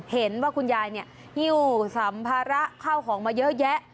เห็นว่าคุณยายเนี่ยฮิ้วสัมภาระข้าวของมาเยอะแยะ